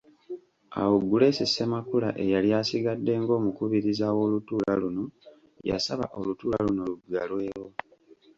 Awo Grace Ssemakula eyali asigadde ng’omukubiriza w’olutuula luno yasaba olutuula luno luggalwewo.